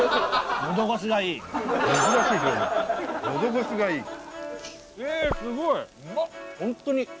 のど越しがいい。